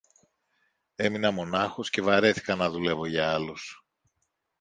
έμεινα μονάχος και βαρέθηκα να δουλεύω για άλλους.